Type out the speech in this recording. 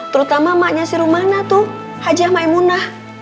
terutama maknya si rumana tuh hajiah maimunah